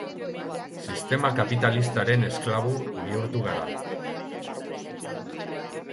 Sistema kapitalistaren esklabo bihurtu gara.